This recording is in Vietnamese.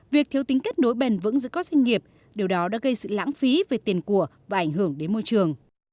việc thiếu tính kết nối bền vững giữa các doanh nghiệp điều đó đã gây sự lãng phí về tiền của và ảnh hưởng đến môi trường